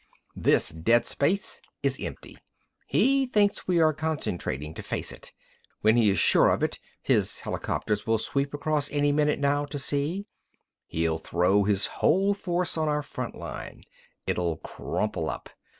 This dead space is empty. He thinks we are concentrating to face it. When he is sure of it—his helicopters will sweep across any minute, now, to see—he'll throw his whole force on our front line. It'll crumple up.